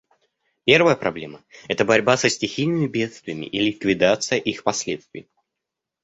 Первая проблема — это борьба со стихийными бедствиями и ликвидация их последствий.